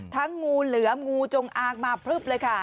งูเหลือมงูจงอางมาพลึบเลยค่ะ